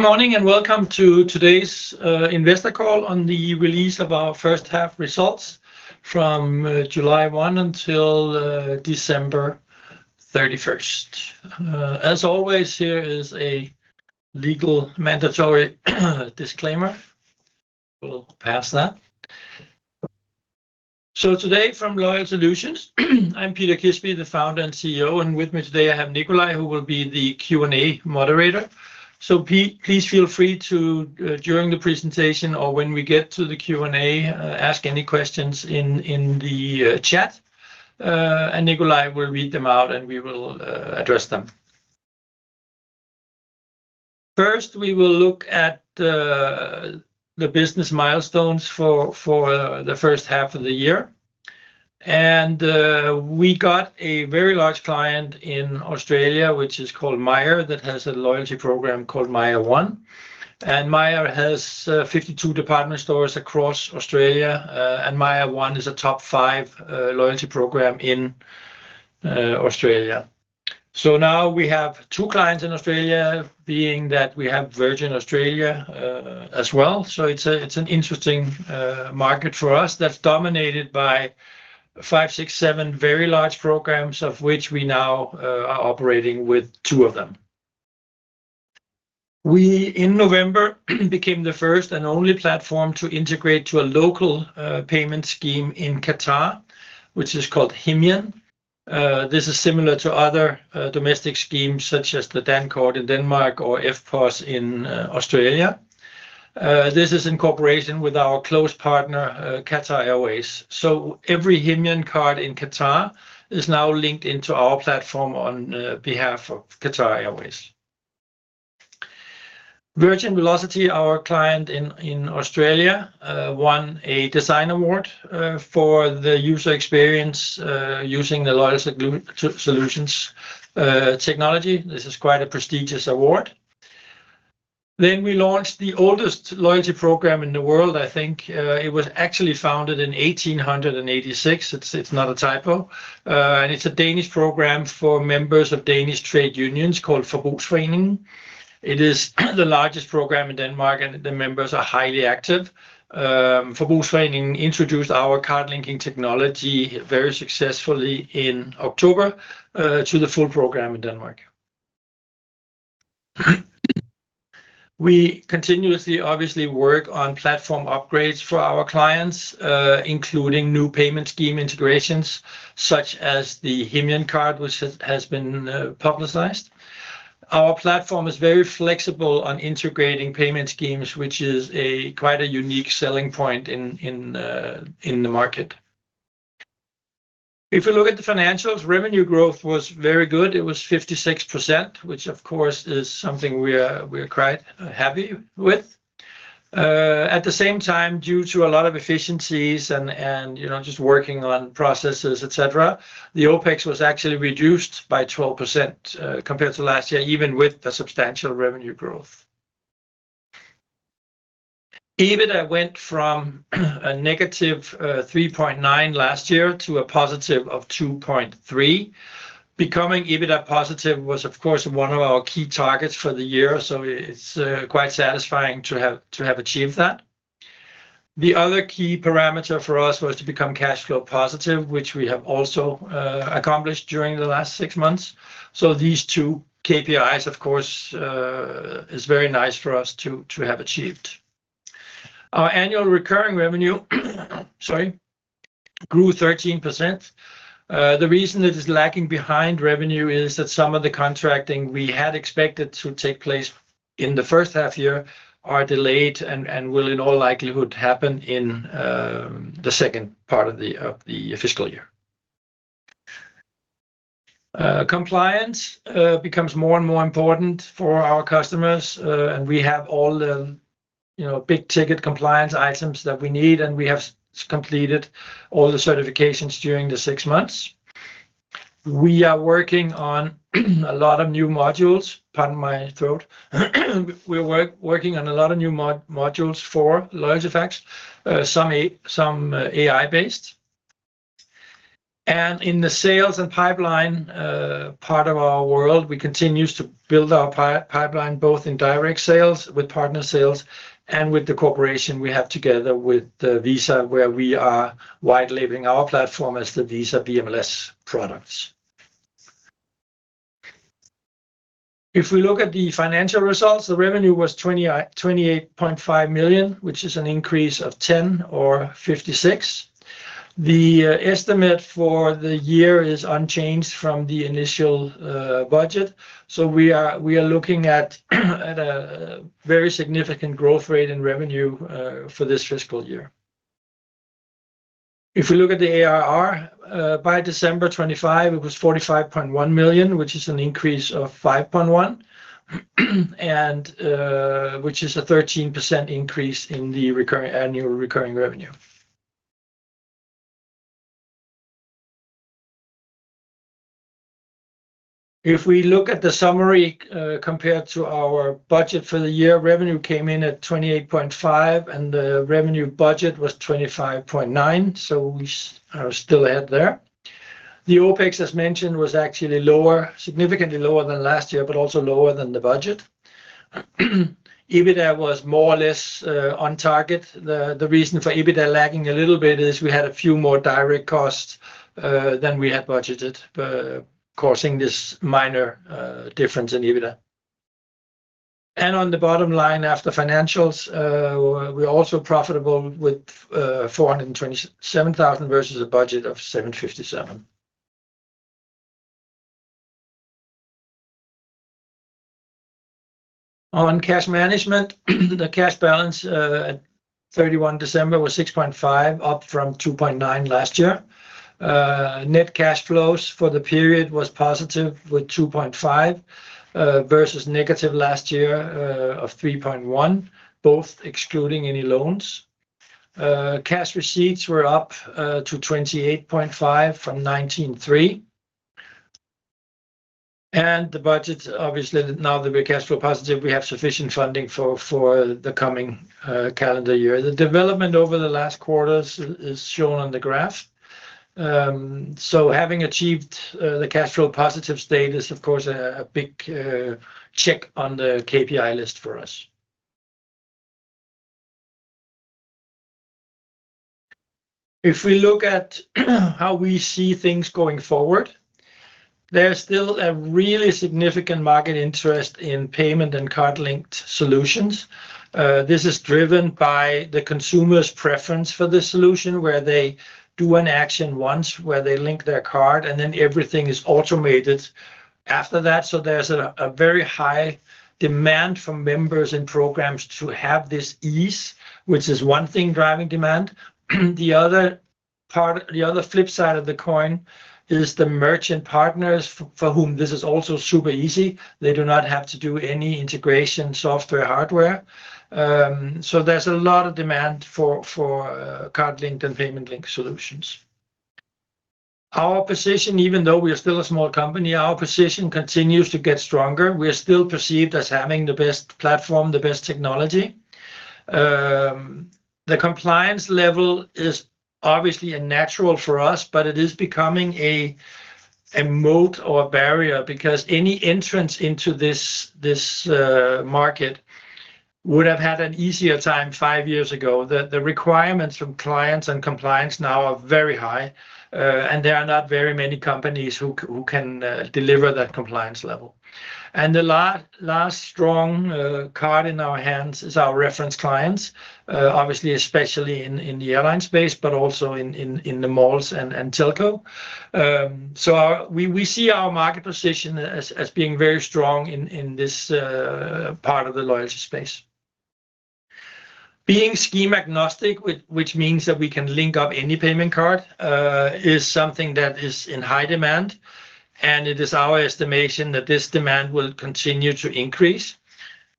Good morning and welcome to today's investor call on the release of our first-half results from July 1 until December 31st. As always, here is a legal mandatory disclaimer. We'll pass that. So today from Loyal Solutions, I'm Peter Kisbye, the founder and CEO, and with me today I have Nicolai, who will be the Q&A moderator. So please feel free to, during the presentation or when we get to the Q&A, ask any questions in the chat. And Nicolai will read them out and we will address them. First we will look at the business milestones for the first half of the year. We got a very large client in Australia, which is called Myer, that has a loyalty program called MYER one. And Myer has 52 department stores across Australia, and MYER one is a top five loyalty program in Australia. So now we have two clients in Australia, being that we have Virgin Australia, as well, so it's an interesting market for us that's dominated by five, six, seven very large programs of which we now are operating with two of them. We in November became the first and only platform to integrate to a local payment scheme in Qatar, which is called Himyan. This is similar to other domestic schemes such as the Dankort in Denmark or eftpos in Australia. This is in cooperation with our close partner, Qatar Airways. So every Himyan card in Qatar is now linked into our platform on behalf of Qatar Airways. Virgin Velocity, our client in Australia, won a design award for the user experience, using the Loyal Solutions technology. This is quite a prestigious award. Then we launched the oldest loyalty program in the world, I think. It was actually founded in 1886. It's not a typo. And it's a Danish program for members of Danish trade unions called Forbrugsforeningen. It is the largest program in Denmark and the members are highly active. Forbrugsforeningen introduced our card-linking technology very successfully in October to the full program in Denmark. We continuously, obviously, work on platform upgrades for our clients, including new payment scheme integrations such as the Himyan card, which has been publicized. Our platform is very flexible on integrating payment schemes, which is quite a unique selling point in the market. If you look at the financials, revenue growth was very good. It was 56%, which, of course, is something we're quite happy with. At the same time, due to a lot of efficiencies and, you know, just working on processes, etc., the OpEx was actually reduced by 12%, compared to last year, even with the substantial revenue growth. EBITDA went from -3.9 last year to 2.3. Becoming EBITDA positive was, of course, one of our key targets for the year, so it's quite satisfying to have achieved that. The other key parameter for us was to become cash flow positive, which we have also accomplished during the last six months. So these two KPIs, of course, is very nice for us to have achieved. Our annual recurring revenue, sorry, grew 13%. The reason it is lagging behind revenue is that some of the contracting we had expected to take place in the first half year are delayed and will in all likelihood happen in the second part of the fiscal year. Compliance becomes more and more important for our customers, and we have all the, you know, big ticket compliance items that we need, and we have completed all the certifications during the six months. We are working on a lot of new modules, pardon my throat, we're working on a lot of new modules for Loyal Solutions, some AI-based. In the sales and pipeline part of our world, we continue to build our pipeline both in direct sales with partner sales and with the corporation we have together with Visa, where we are white labeling our platform as the Visa VMLS products. If we look at the financial results, the revenue was 28.5 million, which is an increase of 10 or 56. The estimate for the year is unchanged from the initial budget, so we are looking at a very significant growth rate in revenue, for this fiscal year. If we look at the ARR, by December 25, it was 45.1 million, which is an increase of 5.1 million, which is a 13% increase in the recurring annual recurring revenue. If we look at the summary, compared to our budget for the year, revenue came in at 28.5 million and the revenue budget was 25.9 million, so we are still ahead there. The OpEx, as mentioned, was actually lower, significantly lower than last year, but also lower than the budget. EBITDA was more or less on target. The reason for EBITDA lagging a little bit is we had a few more direct costs than we had budgeted, causing this minor difference in EBITDA. On the bottom line, after financials, we're also profitable with 427,000 versus a budget of 757,000. On cash management, the cash balance at 31 December was 6.5, up from 2.9 last year. Net cash flows for the period was positive with 2.5, versus negative last year of -3.1, both excluding any loans. Cash receipts were up to 28.5 from 19.3. The budget, obviously, now that we're cash flow positive, we have sufficient funding for the coming calendar year. The development over the last quarters is shown on the graph. So having achieved the cash flow positive state is, of course, a big check on the KPI list for us. If we look at how we see things going forward, there's still a really significant market interest in payment and card-linked solutions. This is driven by the consumer's preference for the solution, where they do an action once, where they link their card, and then everything is automated after that. So there's a very high demand from members in programs to have this ease, which is one thing driving demand. The other part, the other flip side of the coin is the merchant partners for whom this is also super easy. They do not have to do any integration software or hardware. So there's a lot of demand for card-linked and payment-linked solutions. Our position, even though we are still a small company, our position continues to get stronger. We are still perceived as having the best platform, the best technology. The compliance level is obviously a natural for us, but it is becoming a moat or a barrier because any entrance into this market would have had an easier time five years ago. The requirements from clients on compliance now are very high, and there are not very many companies who can deliver that compliance level. The last strong card in our hands is our reference clients, obviously, especially in the airline space, but also in the malls and telco. So we see our market position as being very strong in this part of the loyalty space. Being scheme agnostic, which means that we can link up any payment card, is something that is in high demand, and it is our estimation that this demand will continue to increase,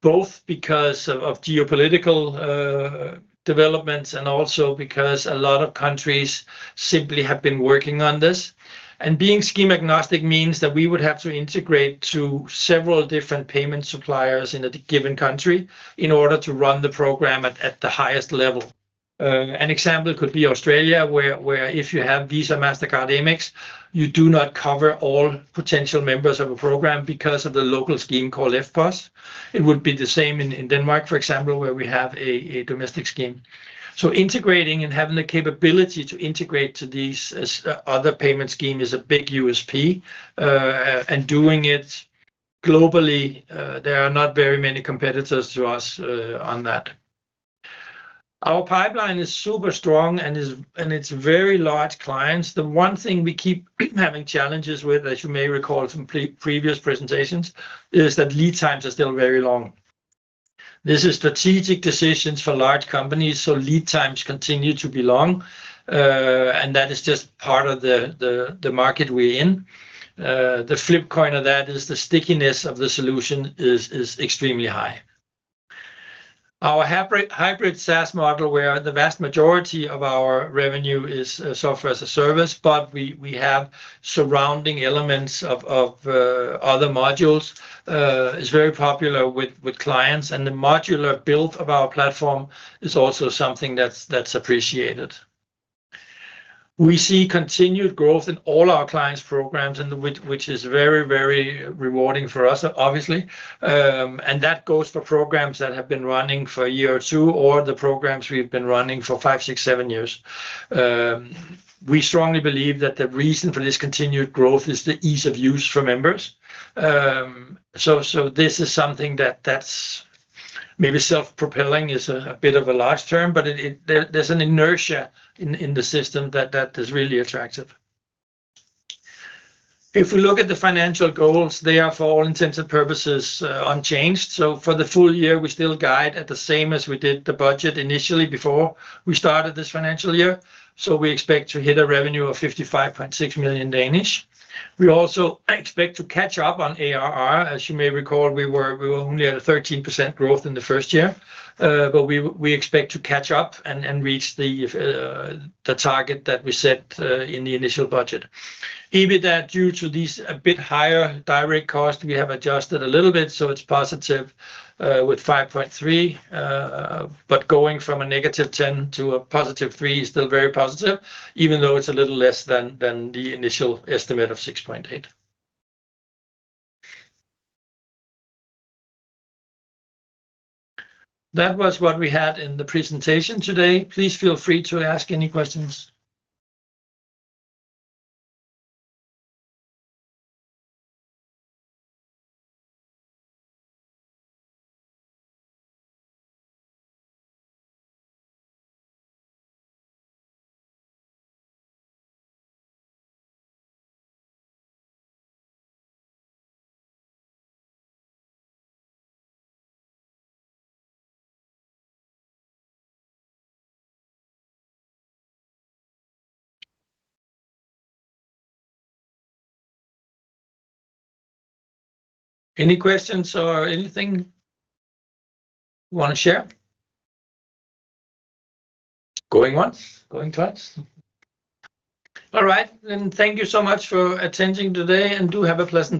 both because of geopolitical developments and also because a lot of countries simply have been working on this. Being scheme agnostic means that we would have to integrate to several different payment suppliers in a given country in order to run the program at the highest level. An example could be Australia, where if you have Visa, Mastercard, Amex, you do not cover all potential members of a program because of the local scheme called eftpos. It would be the same in Denmark, for example, where we have a domestic scheme. So integrating and having the capability to integrate to these other payment schemes is a big USP, and doing it globally, there are not very many competitors to us on that. Our pipeline is super strong, and it's very large clients. The one thing we keep having challenges with, as you may recall from previous presentations, is that lead times are still very long. This is strategic decisions for large companies, so lead times continue to be long, and that is just part of the market we're in. The flip side of that is the stickiness of the solution is extremely high. Our hybrid SaaS model, where the vast majority of our revenue is software as a service, but we have surrounding elements of other modules, is very popular with clients, and the modular build of our platform is also something that's appreciated. We see continued growth in all our clients' programs, which is very, very rewarding for us, obviously, and that goes for programs that have been running for a year or two or the programs we've been running for 5, 6, 7 years. We strongly believe that the reason for this continued growth is the ease of use for members. So, this is something that's maybe self-propelling is a bit of a large term, but it there's an inertia in the system that is really attractive. If we look at the financial goals, they are for all intents and purposes unchanged. So for the full year, we still guide at the same as we did the budget initially before we started this financial year. We expect to hit a revenue of 55.6 million. We also expect to catch up on ARR. As you may recall, we were only at a 13% growth in the first year, but we expect to catch up and reach the target that we set in the initial budget. Even that, due to these a bit higher direct costs, we have adjusted a little bit, so it's positive with 5.3 million, but going from a -10 to a +3 is still very positive, even though it's a little less than the initial estimate of 6.8 million. That was what we had in the presentation today. Please feel free to ask any questions. Any questions or anything you want to share? Going once, going twice. All right, then thank you so much for attending today, and do have a pleasant.